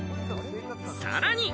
さらに。